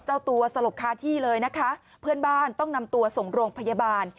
เจ้าตัวสลบคาที่เลยนะคะเพื่อนบ้านต้องนำตัวส่งโรงพยาบาล